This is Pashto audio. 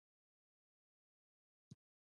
ریښې نبات په ځمکه کلکوي